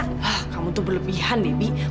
ah kamu tuh berlebihan debbie